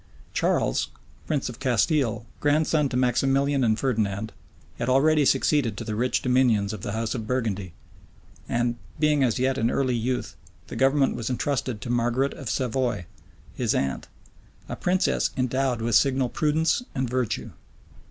Charles, prince of Castile, grandson to Maximilian and Ferdinand, had already succeeded to the rich dominions of the house of Burgundy; and being as yet in early youth, the government was intrusted to Margaret of Savoy, his aunt, a princess endowed with signal prudence and virtue.